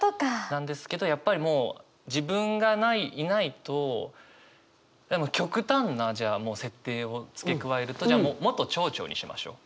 なんですけどやっぱりもう自分がいないと極端なじゃあ設定を付け加えると元町長にしましょう。